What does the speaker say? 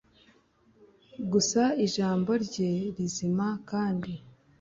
gusa ijambo rye rizima, kandi